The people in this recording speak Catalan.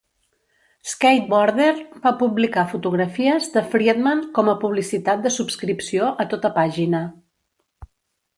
"SkateBoarder" va publicar fotografies de Friedman com publicitat de subscripció a tota pàgina.